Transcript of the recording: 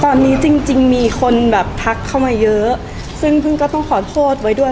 ตอนนี้จริงจริงมีคนแบบทักเข้ามาเยอะซึ่งพึ่งก็ต้องขอโทษไว้ด้วย